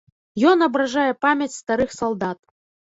Ён абражае памяць старых салдат.